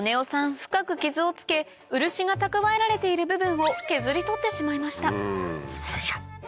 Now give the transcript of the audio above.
深く傷をつけ漆が蓄えられている部分を削り取ってしまいましたすいませんでした。